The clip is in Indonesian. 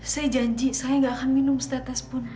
saya janji saya gak akan minum setetes pun